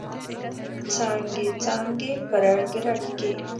څانګې، څانګې په رګ، رګ کې